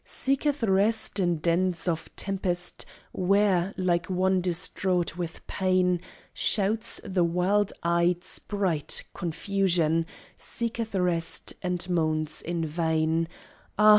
Seeketh rest in dens of tempest, where, like one distraught with pain, Shouts the wild eyed sprite, Confusion seeketh rest, and moans in vain: Ah!